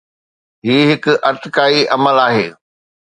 هي هڪ ارتقائي عمل آهي.